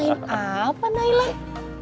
ini lagi main apa nailah